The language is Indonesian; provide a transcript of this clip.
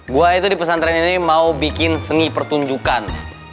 gue itu di pesantren ini mau bikin seni pertunjukan